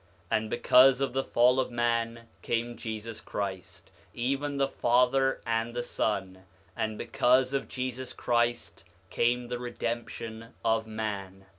And because of the fall of man came Jesus Christ, even the Father and the Son; and because of Jesus Christ came the redemption of man.